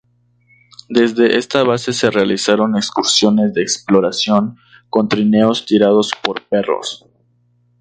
Desde esta base se realizaron excursiones de exploración con trineos tirados por perros.